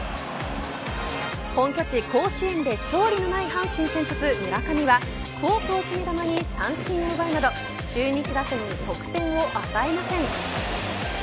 本拠地、甲子園で勝利がない阪神先発、村上はフォークを決め球に三振を奪うなど中日打線に得点を与えません。